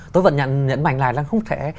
tôi vẫn nhận mạnh lại là không thể